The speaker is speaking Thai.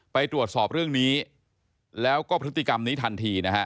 ไปตรวจสอบเรื่องนี้แล้วก็พฤติกรรมนี้ทันทีนะฮะ